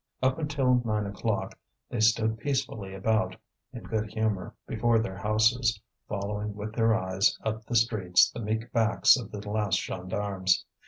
Up till nine o'clock they stood peacefully about, in good humour, before their houses, following with their eyes up the streets the meek backs of the last gendarmes.